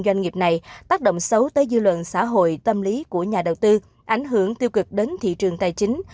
doanh nghiệp này tác động xấu tới dư luận xã hội tâm lý của nhà đầu tư ảnh hưởng tiêu cực đến thị trường tài chính